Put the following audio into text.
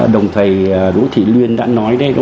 đồng thầy đỗ thị luyên đã nói đây